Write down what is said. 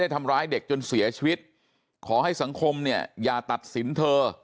ทำร้ายเด็กจนเสียชีวิตขอให้สังคมเนี่ยอย่าตัดสินเธอ